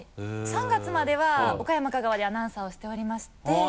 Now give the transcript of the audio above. ３月までは岡山香川でアナウンサーをしておりまして。